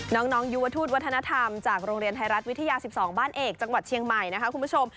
น้องยุวทูตวัฒนธรรมจากโรงเรียนไทยรัฐวิทยา๑๒บ้านเอกจังหวัดเชียงใหม่นะคะคุณผู้ชม